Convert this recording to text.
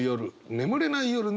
「眠れない夜」